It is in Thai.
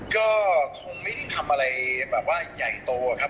ก็คงไม่ได้ทำอะไรแบบว่าใหญ่โตครับ